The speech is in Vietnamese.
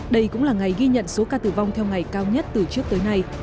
đây cũng là ngày ghi nhận số ca tử vong theo ngày cao nhất từ trước tới nay